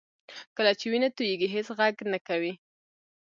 کله چې وینه تویېږي هېڅ غږ نه کوي